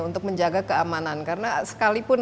untuk menjaga keamanan karena sekalipun